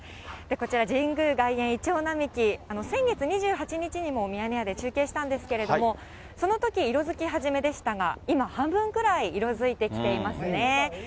こちら、神宮外苑イチョウ並木、先月２８日にもミヤネ屋で中継したんですけども、そのとき色づき初めでしたが、今、半分ぐらい色づいてきていますね。